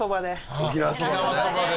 沖縄そばで。